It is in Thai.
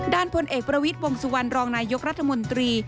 พลเอกประวิทย์วงสุวรรณรองนายกรัฐมนตรี